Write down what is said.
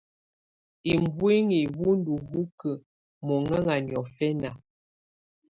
Ubuinyii wù ndù hukǝ́ muhɛŋa niɔ̀fɛna.